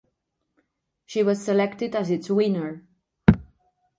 She was selected as its winner.